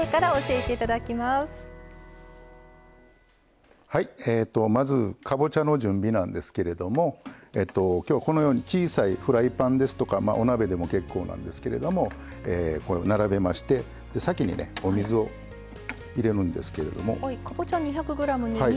えとまずかぼちゃの準備なんですけれども今日はこのように小さいフライパンですとかお鍋でも結構なんですけれどもこう並べましてで先にねお水を入れるんですけれども。